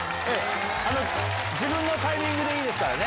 自分のタイミングでいいですからね。